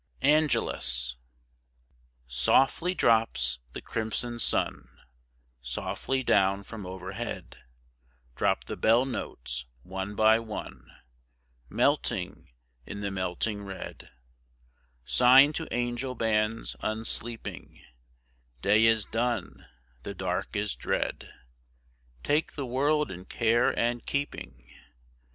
ANGELUS. Softly drops the crimson sun: Softly down from overhead, Drop the bell notes, one by one, Melting in the melting red; Sign to angel bands unsleeping, "Day is done, the dark is dread, Take the world in care and keeping.